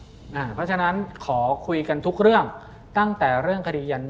เพราะฉะนั้นขอคุยกันทุกเรื่องตั้งแต่เรื่องคดียัน